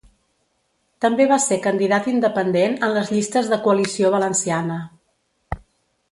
També va ser candidat independent en les llistes de Coalició Valenciana.